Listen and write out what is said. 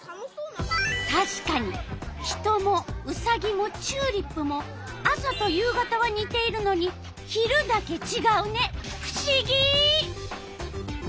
たしかに人もウサギもチューリップも朝と夕方はにているのに昼だけちがうね。